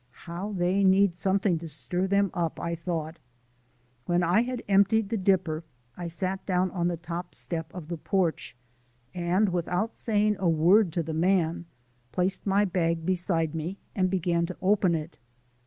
"How they need something to stir them up," I thought. When I had emptied the dipper, I sat down on the top step of the porch, and, without saying a word to the man, placed my bag beside me and began to open it.